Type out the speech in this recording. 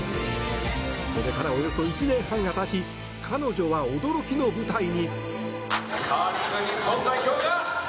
それからおよそ１年半がたち彼女は驚きの舞台に。